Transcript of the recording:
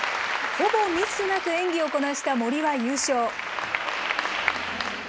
ほぼミスなく演技をこなした森は優勝。